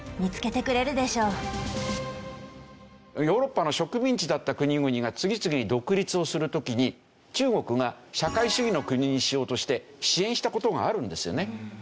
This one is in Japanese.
ヨーロッパの植民地だった国々が次々に独立をする時に中国が社会主義の国にしようとして支援した事があるんですよね。